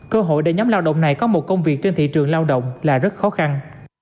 cơ hội để nhóm lao động này có một công việc trên thị trường lao động là rất khó khăn